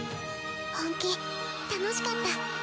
本気楽しかった。